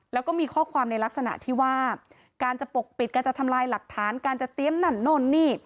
แล้วก็มีข้อความในลักษณะที่ว่าการจะปกปิดการจะทำลายหลักฐานการจะเตรียมนั่นโน่นนี่